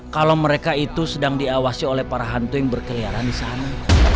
kalo mereka itu sedang diawasi oleh para hantu yang berkeliaran disana